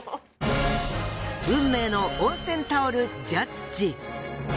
運命の温泉タオルジャッジ。